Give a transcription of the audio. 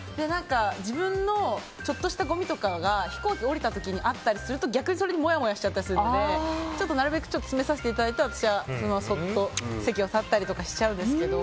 自分のちょっとしたごみとかが飛行機を降りた時にあったりすると、逆にそれでもやもやしちゃったりするのでなるべく詰めさせていただいて私はそっと席を去ったりとかしちゃうんですけど。